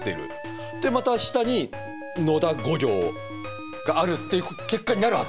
でまた下に「野田」５行があるっていう結果になるはず